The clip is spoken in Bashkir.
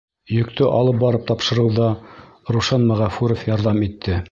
Йөктө алып барып тапшырыуҙа Рушан Мәғәфүров ярҙам итте.